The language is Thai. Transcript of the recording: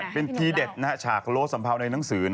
เป็นทีเด็ดฉากโล้สัมเภาในหนังสือ